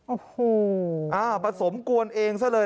โอ้โหผสมกวนเองซะเลย